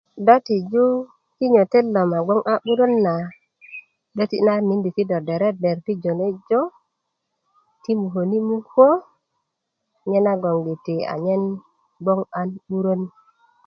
Do tiju kinyotota gboŋ a 'burö na 'döti na miindi ti do dereder ti muköni mukö nyena gbon giti manyen gboŋ a 'birön